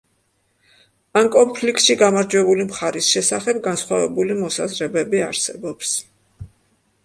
ამ კონფლიქტში გამარჯვებული მხარის შესახებ განსხვავებული მოსაზრებები არსებობს.